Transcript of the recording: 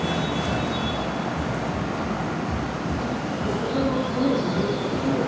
鯨の骨を沈めるとですね